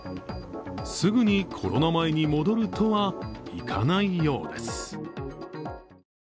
すぐにコロナ前に戻るとはいかないようです。